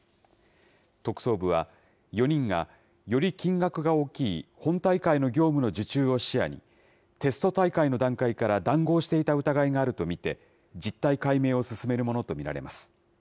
特捜部は、４人がより金額が大きい本大会の業務の受注を視野に、テスト大会の段階から談合していた疑いがあると見て、実態解明を進めるものと見られます。